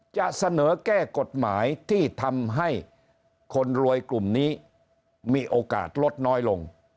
จะเสนอแก้กฎหมายที่ทำให้คนรวยกลุ่มนี้มีโอกาสลดน้อยลง